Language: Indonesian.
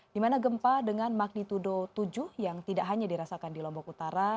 di mana gempa dengan magnitudo tujuh yang tidak hanya dirasakan di lombok utara